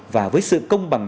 và với sự công bằng